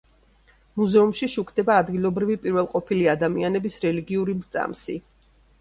მუზეუმში შუქდება ადგილობრივი პირველყოფილი ადამიანების რელიგიური მრწამსი.